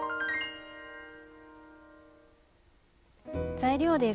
材料です。